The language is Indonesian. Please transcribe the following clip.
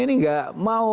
ini gak mau